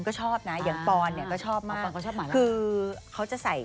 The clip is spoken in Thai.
เขาชอบหมาล่าหรอคือเขาจะใส่